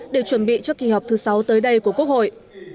để chuẩn bị cho kỳ họp thứ sáu tới đây của quốc hội